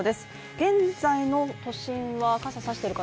現在の都心は傘さしてる方